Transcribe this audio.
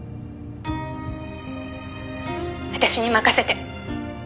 「私に任せて」